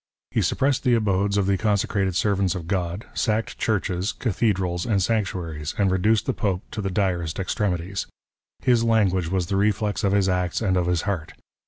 He suppressed the abodes of the consecrated servants of God, sacked churches, cathedrals, and sanctuaries, and reduced the Pope to the direst extremities. His language was the reflex of his acts and of his heart.